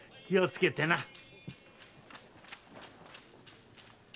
気をつけてな。